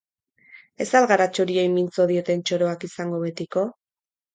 Ez al gara txoriei mintzo dieten txoroak izango betiko?